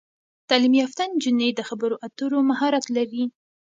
تعلیم یافته نجونې د خبرو اترو مهارت لري.